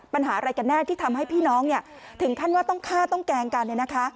ปัญหาอะไรกันแน่ที่ทำให้พี่น้องถึงขั้นว่าต้องฆ่าต้องแกล้งกัน